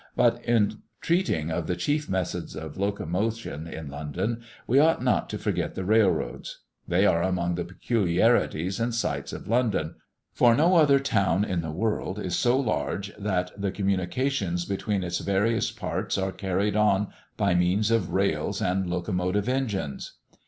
But in treating of the chief methods of locomotion in London, we ought not to forget the railroads. They are among the peculiarities and sights of London, for no other town in the world is so large that the communications between its various parts are carried on by means of rails and locomotive engines.